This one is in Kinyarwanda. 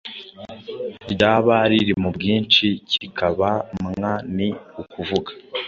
ryaba riri mu bwinshi kikaba mwa. Ni ukuvuga